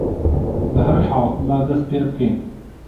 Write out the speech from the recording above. بەهەرحاڵ با دەست پێ بکەین.